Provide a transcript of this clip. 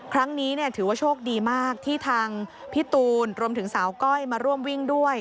ครั้งนี้ถือว่าโชคดีมากที่ทางพี่ตูนรวมถึงสาวก้อยมาร่วมวิ่งด้วย